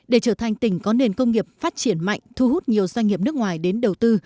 để trở thành tỉnh có nền công nghiệp phát triển mạnh thu hút nhiều doanh nghiệp nước ngoài đến đầu tư